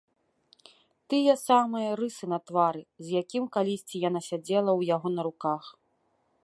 Тыя самыя рысы на твары, з якім калісьці яна сядзела ў яго на руках.